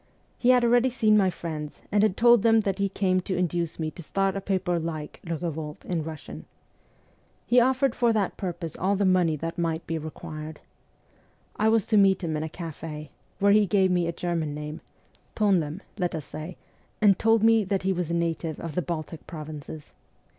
He had already seen my friends and had told them that he came to induce me to start a paper like ' Le Revolte ' in Russian. He offered for that purpose all the money that might be required. I went to meet him in a cafe, where he gave me a German name Tohnlehm, let us say and told me that he was a native of the Baltic provinces.